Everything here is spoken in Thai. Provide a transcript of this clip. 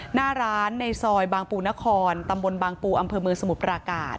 หน้าร้านในซอยบางปูนครตำบลบางปูอำเภอเมืองสมุทรปราการ